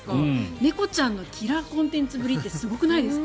猫ちゃんのキラーコンテンツぶりってすごくないですか？